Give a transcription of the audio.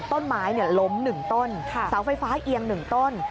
ต้นไม้ล้ม๑ต้นเสาไฟฟ้าเอียง๑ต้น